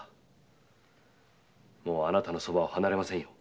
もうあなたのそばを離れませんよ。